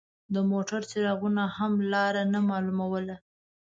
د موټر څراغونو هم لار نه مالوموله.